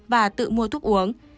và tự mua thuốc uống